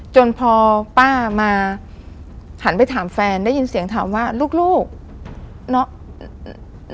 จนพอป้ามาหันไปถามแฟนได้ยินเสียงถามว่าลูกเนาะ